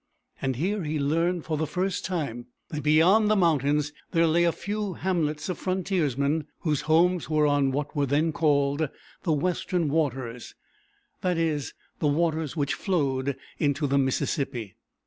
Here he learned for the first time that beyond the mountains there lay a few hamlets of frontiersmen, whose homes were on what were then called the Western Waters, that is, the waters which flowed into the Mississippi.